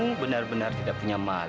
kamu benar benar tidak punya malu haris